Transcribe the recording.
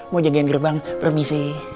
mau jagain gerbang permisi